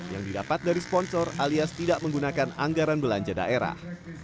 yang didapat dari sponsor alias tidak menggunakan anggaran belanja daerah